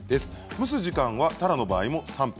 蒸す時間は、たらの場合も３分。